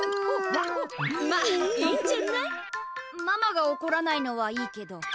ママがおこらないのはいいけど。